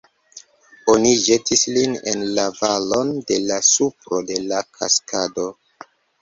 Oni ĵetis lin en la valon, de la supro de la kaskado.